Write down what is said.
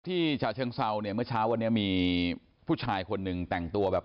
ฉะเชิงเซาเนี่ยเมื่อเช้าวันนี้มีผู้ชายคนหนึ่งแต่งตัวแบบ